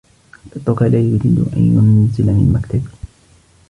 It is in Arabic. قطك لا يريد أن ينزل من مكتبي.